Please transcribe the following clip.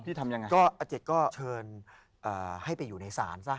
ทำยังไงก็อาเจกก็เชิญให้ไปอยู่ในศาลซะ